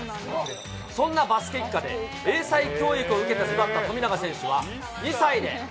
そんなバスケ一家で英才教育を受けて育った富永選手は、２歳で。